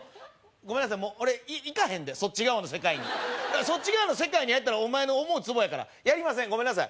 ごめんなさいもう俺いかへんでそっち側の世界にそっち側の世界に入ったらお前の思うツボやからやりませんごめんなさい